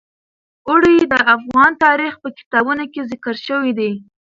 اوړي د افغان تاریخ په کتابونو کې ذکر شوی دي.